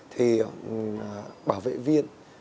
thì bảo vệ viên